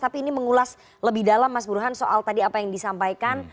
tapi ini mengulas lebih dalam mas burhan soal tadi apa yang disampaikan